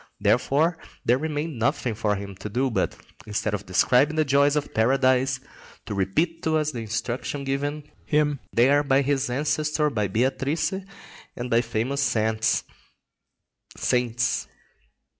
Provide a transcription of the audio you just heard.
Therefore there remained nothing for him to do but, instead of describing the joys of paradise, to repeat to us the instruction given him there by his ancestor, by Beatrice, and by various saints.